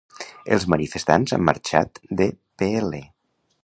Els manifestants han marxat de Pl.